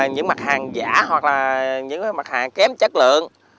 những mặt hàng giả hoặc là những mặt hàng kém chất lượng